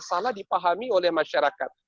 salah dipahami oleh masyarakat